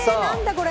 これ。